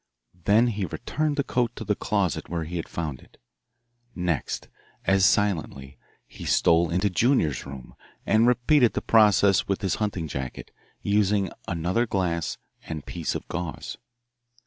Then he returned the coat to the closet where he had found it. Next, as silently, he stole into Junior's room and repeated the process with his hunting jacket, using another glass and piece of gauze.